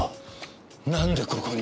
なんでここに。